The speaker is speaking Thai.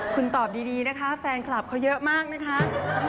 คุณตอบดีนะคะแฟนคลับเขาเยอะมากนะคะ